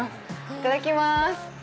いただきまーす。